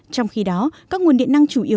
trong khi đó các nguồn điện năng chủ yếu